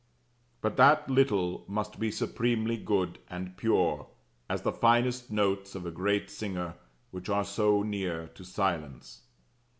But that little must be supremely good and pure, as the finest notes of a great singer, which are so near to silence.